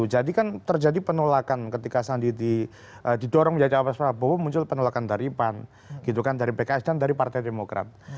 jadi kan terjadi penolakan ketika zandi didorong menjadi awas prabowo muncul penolakan dari pan gitu kan dari pks dari partai demokrat